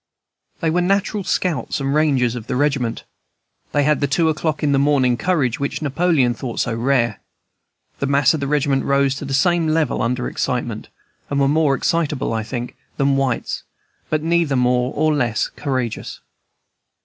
They were the natural scouts and rangers of the regiment; they had the two o'clock in the morning courage, which Napoleon thought so rare. The mass of the regiment rose to the same level under excitement, and were more excitable, I think, than whites, but neither more nor less courageous.